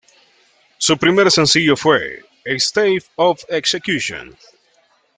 Su primer sencillo fue "Stay of Execution".